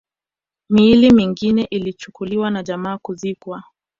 Miili mingine ilichukuliwa na jamaa kuzikwa